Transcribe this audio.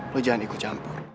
lo jangan ikut campur